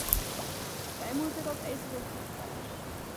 Wij moeten dat evenwicht herstellen.